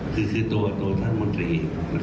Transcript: ก็คือตัวตนมนตรี